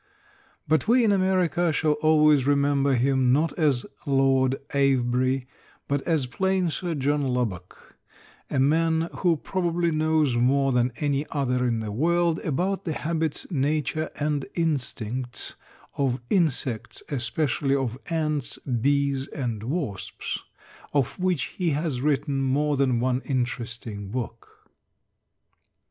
But we in America shall always remember him not as Lord Avebury, but as plain Sir John Lubbock, a man who probably knows more than any other in the world about the habits, nature and instincts of insects, especially of ants, bees and wasps, of which he has written more than one interesting book.